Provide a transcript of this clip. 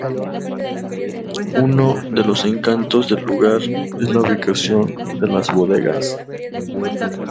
Uno de los encantos del lugar es la ubicación de las bodegas.